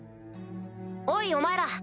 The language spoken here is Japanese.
おいお前ら。